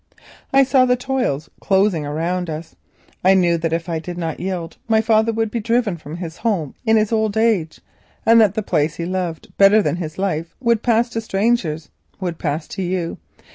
"I saw the toils closing round us. I knew that if I did not yield my father would be driven from his home in his old age, and that the place he loved would pass to strangers—would pass to you.